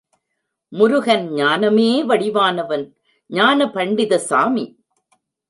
முருகன் ஞானமே வடிவானவன் ஞானபண்டித சாமி.